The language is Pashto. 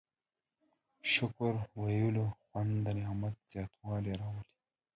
د شکر ویلو خوند د نعمت زیاتوالی راوړي.